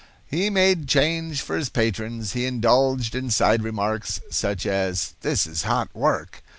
He made change for his patrons. He indulged in side remarks, such as "This is hot work."